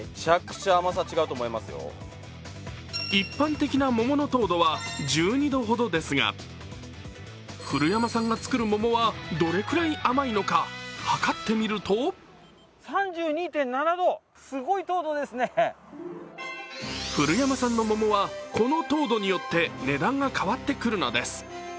一般的な桃の糖度は１２度ほどですが古山さんが作る桃はどれくらい甘いのか測ってみると古山さんの桃はこの糖度によって値段が変わってくるのです。